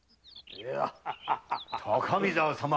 高見沢様。